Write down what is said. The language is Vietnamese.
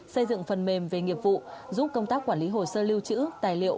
xây dựng phần mềm về nghiệp vụ giúp công tác quản lý hồ sơ lưu trữ tài liệu